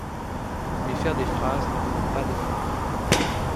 Mais faire des phrases ne demande pas d'effort.